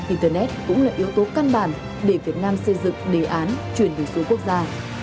internet cũng là yếu tố căn bản để việt nam xây dựng đề án truyền thông số quốc gia